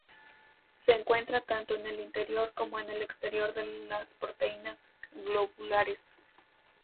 Se encuentra tanto en el interior como en el exterior de las proteínas globulares.